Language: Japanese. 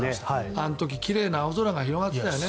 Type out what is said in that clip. あの時奇麗な青空が広がってたよね。